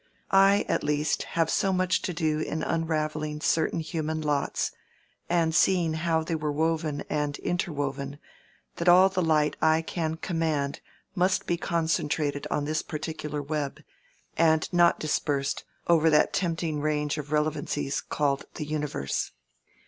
I at least have so much to do in unraveling certain human lots, and seeing how they were woven and interwoven, that all the light I can command must be concentrated on this particular web, and not dispersed over that tempting range of relevancies called the universe.